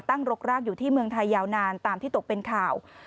รกรากอยู่ที่เมืองไทยยาวนานตามที่ตกเป็นข่าว